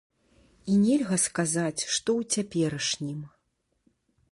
І нельга сказаць, што ў цяперашнім.